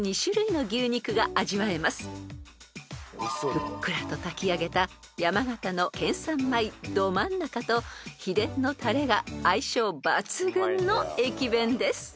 ［ふっくらと炊き上げた山形の県産米どまんなかと秘伝のタレが相性抜群の駅弁です］